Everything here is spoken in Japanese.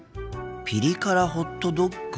ピリ辛ホットドッグ。